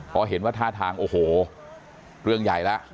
พอเห็นว่าท่าทางโอ้โหเรื่องใหญ่แล้ว